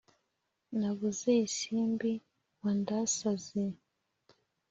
Nabuze isimbi wandasaze.